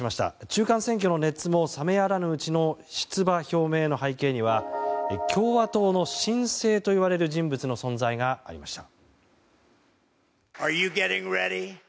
中間選挙の熱も冷めやらぬうちの出馬表明の背景には共和党の新星といわれる人物の存在がありました。